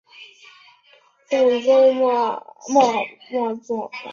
克罗梅日什总主教宫的主要驻地。